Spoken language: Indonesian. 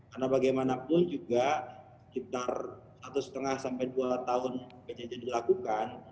karena bagaimanapun juga sekitar satu lima sampai dua tahun pcc dilakukan